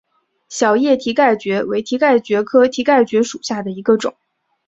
小叶蹄盖蕨为蹄盖蕨科蹄盖蕨属下的一个种。